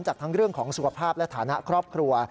จากทั้งเรื่องของสุขภาพและฐานะครอบครัว